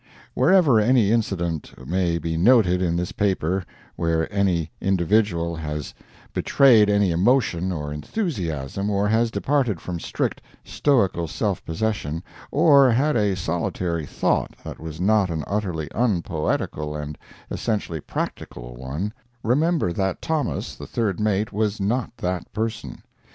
Wherever any incident may be noted in this paper where any individual has betrayed any emotion, or enthusiasm, or has departed from strict, stoical self possession, or had a solitary thought that was not an utterly unpoetical and essentially practical one, remember that Thomas, the third mate, was not that person.